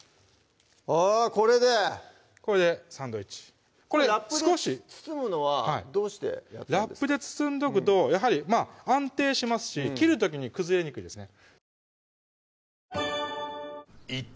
あぁこれでこれでサンドイッチこれラップで包むのはどうしてラップで包んどくとやはり安定しますし切る時に崩れにくいですね